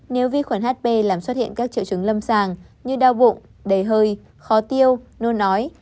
nếu vi khuẩn hp làm xuất hiện các triệu chứng lâm sàng như đau bụng đề hơi khó tiêu nôn ói